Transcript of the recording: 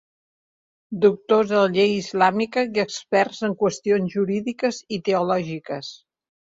Doctors de la llei islàmica i experts en qüestions jurídiques i teològiques.